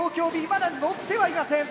まだのってはいません。